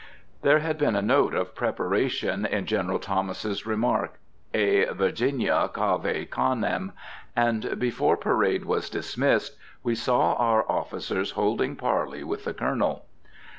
There had been a note of preparation in General Thomas's remarks, a "Virginia, cave canem!" And before parade was dismissed, we saw our officers holding parley with the Colonel.